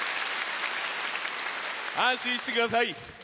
安心してください。